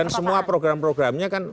dan semua program programnya kan